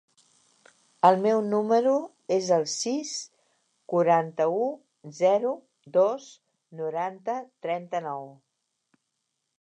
El meu número es el sis, quaranta-u, zero, dos, noranta, trenta-nou.